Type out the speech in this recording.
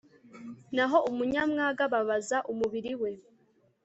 naho umunyamwaga ababaza umubiri we